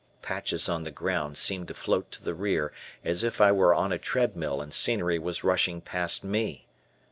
Patches on the ground seemed to float to the rear as if I were on a treadmill and scenery was rushing past me.